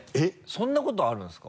そんなことあるんですか？